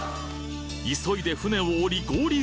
急いで船を降り合流！